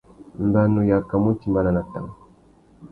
Mbanu i akamú utimbāna nà tang.